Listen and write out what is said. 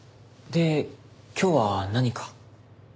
で今日は何か？